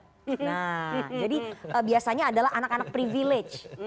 nah jadi biasanya adalah anak anak privilege